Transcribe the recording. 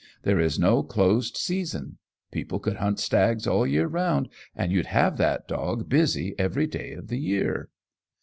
There is no closed season. People could hunt stags all the year round, and you'd have that dog busy every day of the year."